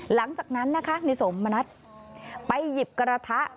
หลังจากนั้นนะคะในสมณัฐไปหยิบกระทะ